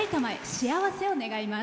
幸せを願います。